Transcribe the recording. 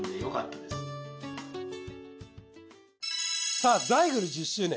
さあザイグル１０周年。